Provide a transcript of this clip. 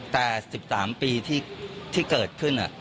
แต่๑๓ปีที่เกิดขึ้น